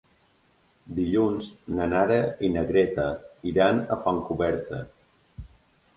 Dilluns na Nara i na Greta iran a Fontcoberta.